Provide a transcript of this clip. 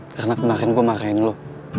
karena kemarin gue marahin lu